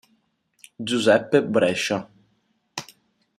Giuseppe Brescia